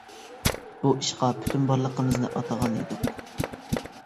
بۇ ئىشقا پۈتۈن بارلىقىمىزنى ئاتىغان ئىدۇق.